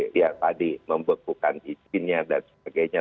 dia tadi membekukan izinnya dan sebagainya